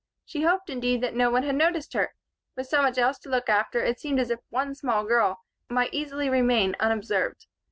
She hoped, indeed, that no one had noticed her; with so much else to look at it seemed as if one small girl might easily remain unobserved.